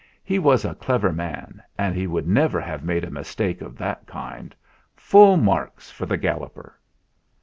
"He was a clever man, and he would never have made a mis take of that kind. Full marks for the Gal loper!"